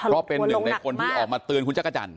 ก็เป็นหนึ่งในคนที่ออกมาเตือนคุณจักรจันท